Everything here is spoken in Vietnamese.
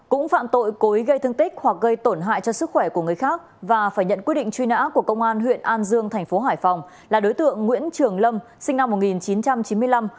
cũng phạm tội cối gây thương tích hoặc gây tổn hại cho sức khỏe của người khác và phải nhận quyết định truy nã của công an huyện an dương thành phố hải phòng là đối tượng nguyễn trường lâm sinh năm một nghìn chín trăm chín mươi năm